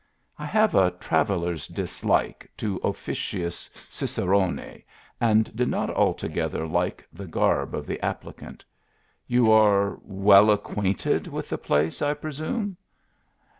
I have a traveller s dislike to officious ciceroni, and did not altogether like the garb of the applicant :" You are well acquainted with the place, I pre sume